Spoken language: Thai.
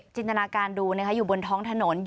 จินตนาการดูอยู่บนท้องถนน